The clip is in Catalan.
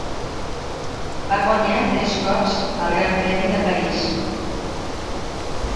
Va guanyar tres cops el Gran Premi de París.